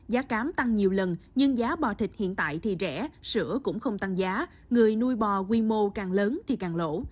giá cám tăng nhiều lần nhưng giá bò thịt hiện tại thì rẻ sữa cũng không tăng giá người nuôi bò quy mô càng lớn thì càng lỗ